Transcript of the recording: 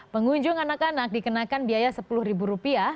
pengunjung anak anak dikenakan biaya sepuluh rupiah